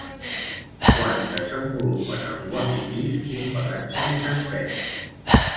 Quan desenvolupen els uapitís un pelatge més espès?